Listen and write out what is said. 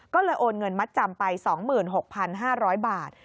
ก็เลยโอนเงินมัดจำไป๒๖๕๐๐บาท